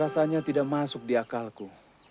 rasanya tidak masuk di akalku